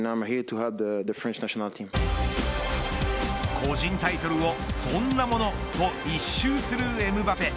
個人タイトルをそんなものと一蹴するエムバペ。